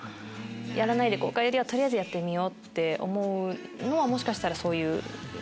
やらないで後悔よりは取りあえずやってみよう！って思うのはもしかしたらそういう。